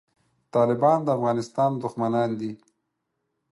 طالبان د افغانستان دښمنان دي